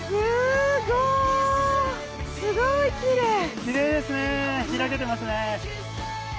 すごいきれい！